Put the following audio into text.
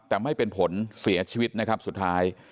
แต่ไม่เป็นผลเสียชีวิตนะครับสุดท้าย